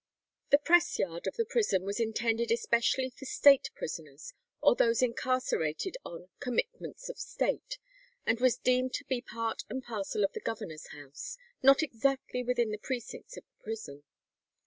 The press yard of the prison was intended especially for State prisoners, or those incarcerated on "commitments of State," and was deemed to be part and parcel of the governor's house, not actually within the precincts of the prison.